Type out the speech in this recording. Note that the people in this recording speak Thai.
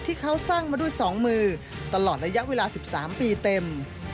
ที่เขาสร้างมาด้วย๒มือตลอดระยะเวลา๑๓ปีเต็ม